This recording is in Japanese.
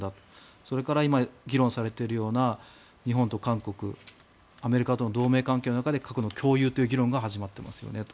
それから今議論されているような日本と韓国アメリカとの同盟国間との核の議論が始まっていますよねと。